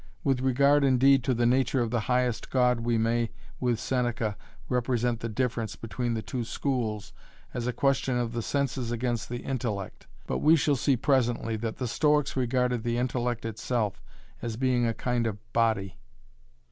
With regard indeed to the nature of the highest god we may, with Senaca represent the difference between the two schools as a question of the senses against the intellect, but we shall see presently that the Stoics regarded the intellect itself as being a kind of body.